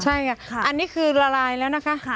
ใช่ค่ะอันนี้คือละลายแล้วนะคะ